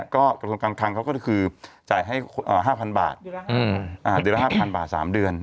ก็บางทางเขาก็คือจ่ายให้๕๐๐๐บาทเดือนละ๕๐๐๐บาทสามเดือน